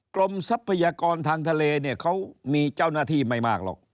ทรัพยากรทางทะเลเนี่ยเขามีเจ้าหน้าที่ไม่มากหรอก